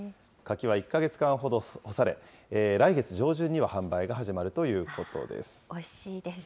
柿は１か月間ほど干され、来月上旬には販売が始まるということです。